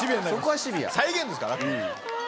再現ですから。